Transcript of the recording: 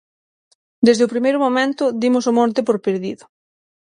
Desde o primeiro momento dimos o monte por perdido.